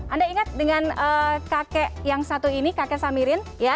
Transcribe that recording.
anda ingat dengan kakek yang satu ini kakek samirin